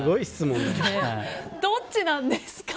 どっちなんですか？